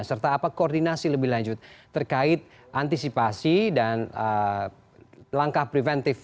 serta apa koordinasi lebih lanjut terkait antisipasi dan langkah preventif